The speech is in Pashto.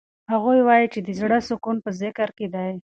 هغوی وایي چې د زړه سکون په ذکر کې دی.